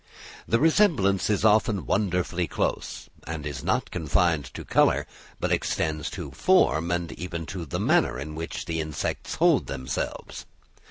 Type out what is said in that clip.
The resemblance is often wonderfully close, and is not confined to colour, but extends to form, and even to the manner in which the insects hold themselves.